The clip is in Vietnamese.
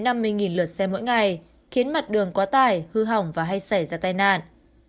đạt bốn mươi năm mươi lượt xe mỗi ngày khiến mặt đường quá tải hư hỏng và hay xảy ra tai nạn